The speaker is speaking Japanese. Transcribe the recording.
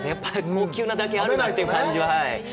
高級なだけあるなという感じは。